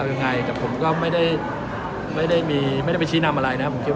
เอายังไงแต่ผมก็ไม่ได้ไม่ได้เป็นชี้นำอะไร